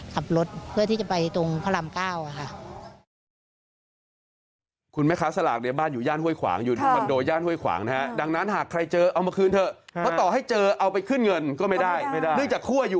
ขับรถเพื่อที่จะไปตรงพระราม๙ค่ะ